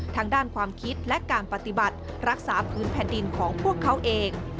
ทางด้านความคิดและการปฏิบัติรักษาพื้นแผ่นดินของพวกเขาเอง